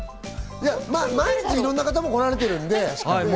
毎日いろんな方が来られてるんで。